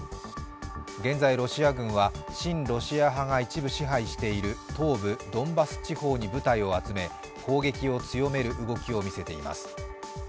現在ロシア軍は親ロシア派が一部支配している東部ドンバス地方に部隊を集め攻撃を強める動きを見せています。